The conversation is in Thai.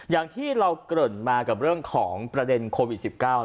อย่างที่เราเกริ่นมากับเรื่องของประเด็นโควิด๑๙